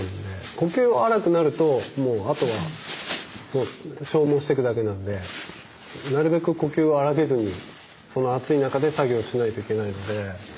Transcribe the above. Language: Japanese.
呼吸荒くなるともうあとはもう消耗してくだけなんでなるべく呼吸を荒げずにその暑い中で作業しないといけないので。